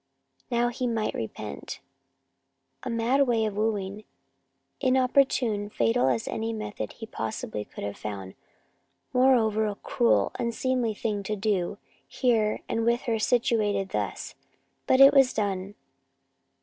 Now he might repent. A mad way of wooing, inopportune, fatal as any method he possibly could have found, moreover a cruel, unseemly thing to do, here and with her situated thus. But it was done.